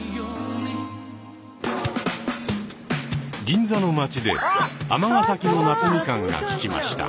銀座の街で尼崎のなつみかんが聞きました。